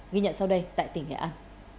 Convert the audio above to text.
ghi nhận sau đây tại tỉnh nghệ an